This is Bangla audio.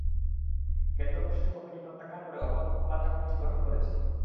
কেন্দ্র ঘোষিত কমিটি প্রত্যাখ্যান করে অপর পক্ষ পাল্টা কমিটি গঠন করেছে।